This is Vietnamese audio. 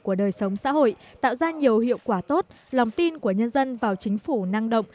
của đời sống xã hội tạo ra nhiều hiệu quả tốt lòng tin của nhân dân vào chính phủ năng động